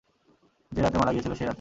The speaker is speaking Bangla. যে রাতে মারা গিয়েছিল, সেই রাতে।